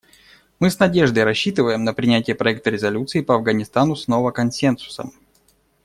Мы с надеждой рассчитываем на принятие проекта резолюции по Афганистану снова консенсусом.